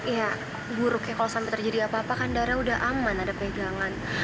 ya buruk ya kalau sampai terjadi apa apa kan darah udah aman ada pegangan